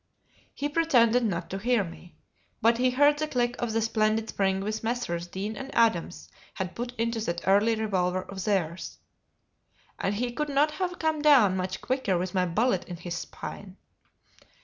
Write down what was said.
He pretended not to hear me, but he heard the click of the splendid spring which Messrs. Deane and Adams had put into that early revolver of theirs, and he could not have come down much quicker with my bullet in his spine.